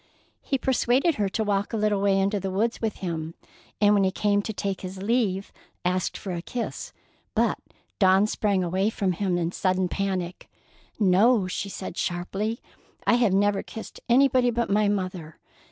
He persuaded her to walk a little way into the woods with him; and when he came to take his leave asked for a kiss, but Dawn sprang away from him in sudden panic: "No," she said sharply; "I have never kissed anybody but my mother."